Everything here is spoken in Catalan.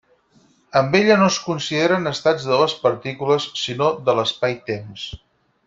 Amb ella no es consideren estats de les partícules, sinó de l'espai-temps.